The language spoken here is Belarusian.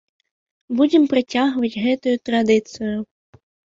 Будзем працягваць гэтую традыцыю.